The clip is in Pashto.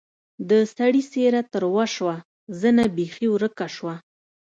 د سړي څېره تروه شوه زنه بېخي ورکه شوه.